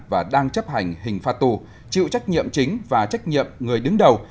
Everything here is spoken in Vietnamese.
và đang chấp hành hình pha tù chịu trách nhiệm chính và trách nhiệm người đứng đầu